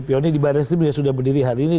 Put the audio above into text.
pionir di baris tribun yang sudah berdiri hari ini